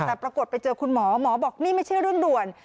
แต่ปรากฏไปเจอคุณหมอหมอบอกนี่ไม่ใช่เรื่องด่วน